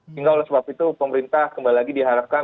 sehingga oleh sebab itu pemerintah kembali lagi diharapkan